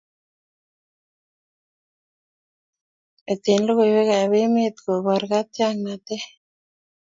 Mete logoiwekab emet kobor katiaknatet